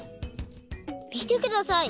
みてください。